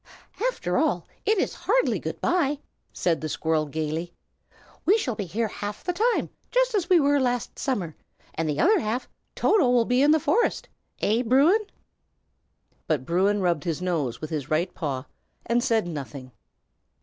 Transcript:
"After all, it is hardly good by!" said the squirrel, gayly. "We shall be here half the time, just as we were last summer; and the other half, Toto will be in the forest. Eh, Bruin?" But Bruin rubbed his nose with his right paw, and said nothing.